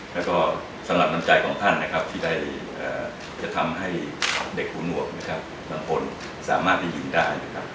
และสำหรับมันใจของท่านใดใจจะทำให้เด็กหูเหงวกหลังคตสามารถยินได้